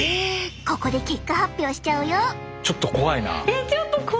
ここで結果発表しちゃうよ！